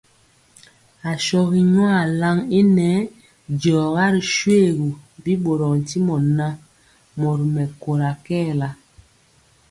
Ashɔgi nyuan lan i nɛɛ diɔga ri shoégu, bi ɓorɔɔ ntimɔ ŋan, mori mɛkóra kɛɛla.